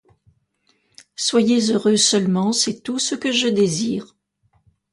Soyez heureux seulement, c'est tout ce que je désire.